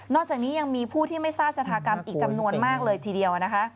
จากนี้ยังมีผู้ที่ไม่ทราบชะถากรรมอีกจำนวนมากเลยทีเดียวนะคะ